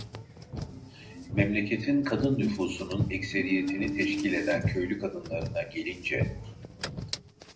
Memleketin kadın nüfusunun ekseriyetini teşkil eden köylü kadınlarına gelince: